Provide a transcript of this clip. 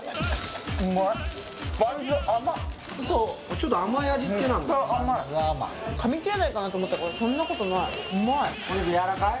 うまいそうちょっと甘い味付けなんだ甘い噛みきれないかなと思ったらそんなことないうまいお肉やわらかい？